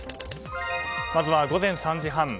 まずは午前３時半。